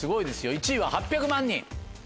１位は８００万人。